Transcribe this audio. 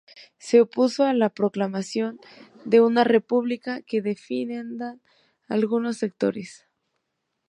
Se opuso a la proclamación de una república, que defendían algunos sectores.